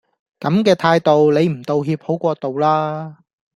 咁嘅態度，你唔道歉好過道啦